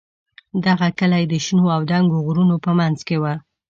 دغه کلی د شنو او دنګو غرونو په منځ کې و.